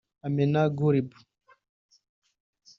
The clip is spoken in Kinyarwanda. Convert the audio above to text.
Ameenah Gurib